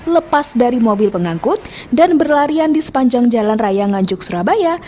lepas dari mobil pengangkut dan berlarian di sepanjang jalan raya nganjuk surabaya